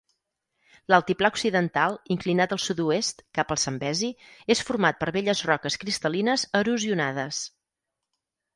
L'altiplà occidental, inclinat al sud-oest, cap al Zambezi, és format per velles roques cristal·lines erosionades.